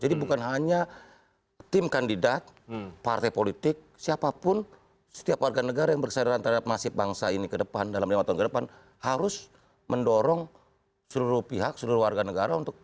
jadi bukan hanya tim kandidat partai politik siapapun setiap warga negara yang bersadaran terhadap masyarakat bangsa ini ke depan dalam lima tahun ke depan harus mendorong seluruh pihak seluruh warga negara untuk